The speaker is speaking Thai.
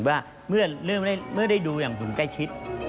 ว่าเมื่อได้ดูอย่างผลใกล้ชิด